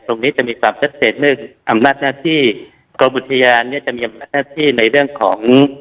ตรงนี้จะมีความชัดเจนเรื่องอำนาจหน้าที่กรมอุทยานเนี่ยจะมีอำนาจหน้าที่ในเรื่องของ